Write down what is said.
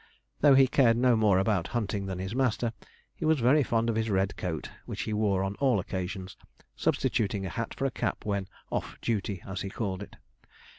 Though he cared no more about hunting than his master, he was very fond of his red coat, which he wore on all occasions, substituting a hat for a cap when 'off duty,' as he called it.